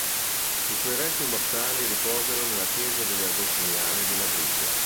I suoi resti mortali riposano nella chiesa delle Agostiniane di Madrid.